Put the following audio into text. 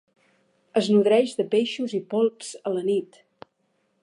Es nodreix de peixos i polps a la nit.